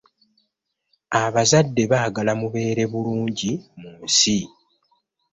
Abazadde baagala mubeere bulungi mu nsi.